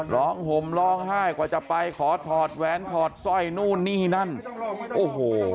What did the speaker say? ห่มร้องไห้กว่าจะไปขอถอดแหวนถอดสร้อยนู่นนี่นั่นโอ้โห